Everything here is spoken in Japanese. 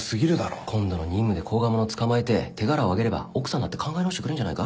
今度の任務で甲賀者捕まえて手柄を挙げれば奥さんだって考え直してくれんじゃないか？